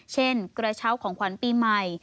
เช่นกระเช้าของขวัญปีใหม่